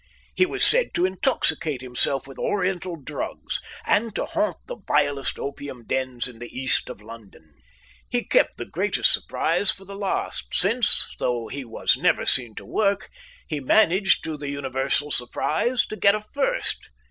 He was said to intoxicate himself with Oriental drugs, and to haunt the vilest opium dens in the East of London. He kept the greatest surprise for the last, since, though he was never seen to work, he managed, to the universal surprise, to get a first.